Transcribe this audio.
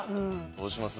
どうします？